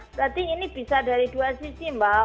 berarti ini bisa dari dua sisi mbak